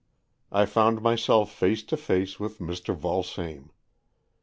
I found myself face to face with Mr. Vulsame.